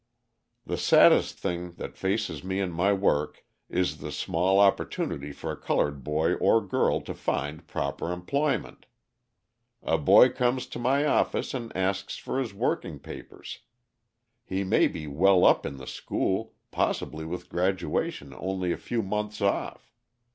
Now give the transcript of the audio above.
"The saddest thing that faces me in my work is the small opportunity for a coloured boy or girl to find proper employment. A boy comes to my office and asks for his working papers. He may be well up in the school, possibly with graduation only a few months off.